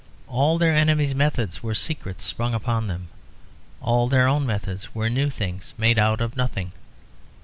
All their enemies' methods were secrets sprung upon them. All their own methods were new things made out of nothing.